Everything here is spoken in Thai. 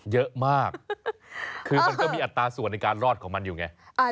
เยอะมากคือมันก็มีอัตราส่วนในการรอดของมันอยู่ไง